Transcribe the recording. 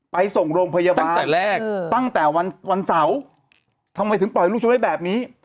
ไปส่งโรงพยาบาลตั้งแต่แรกตั้งแต่วันเสาร์ทำไมถึงปล่อยลูกฉันไว้แบบนี้